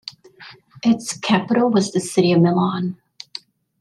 Its capital was the city of Milan.